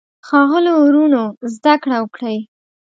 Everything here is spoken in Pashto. ښاغلو وروڼو زده کړه وکړئ.